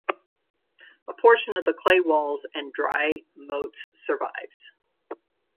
A portion of the clay walls and dry moats survives.